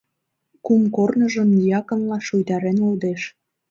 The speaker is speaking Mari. Кум корныжым дьяконла шуйдарен лудеш.